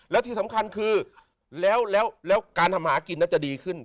แล้วที่สำคัญคือแล้วการทำหากินน่าจะดีขึ้น